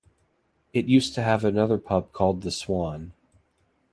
It used to have another pub called the Swan.